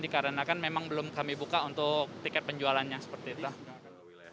dikarenakan memang belum kami buka untuk tiket penjualannya seperti itu